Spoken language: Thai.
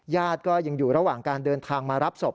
ญาติก็ยังอยู่ระหว่างการเดินทางมารับศพ